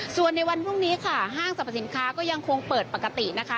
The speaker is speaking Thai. ส่วนในวันพรุ่งนี้ค่ะห้างสรรพสินค้าก็ยังคงเปิดปกตินะคะ